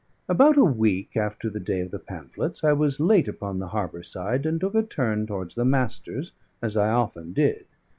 About a week after the day of the pamphlets I was late upon the harbour side, and took a turn towards the Master's, as I often did.